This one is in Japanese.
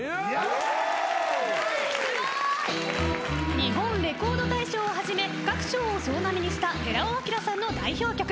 日本レコード大賞をはじめ各賞を総なめにした寺尾聰さんの代表曲。